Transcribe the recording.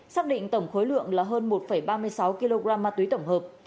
xác định tổng khối lượng là hơn một ba mươi sáu kg ma túy tổng hợp